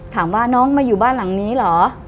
ถามว่าน้องมาอยู่บ้านหลังนี้เหรอ